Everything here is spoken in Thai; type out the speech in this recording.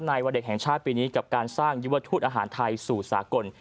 วันเด็กแห่งชาติปีนี้กับการสร้างยุวทูตอาหารไทยสู่สากล